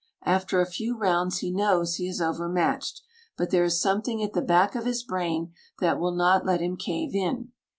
After a few rounds he knows he is overmatched, but there is something at the back of his brain that will not let him cave in.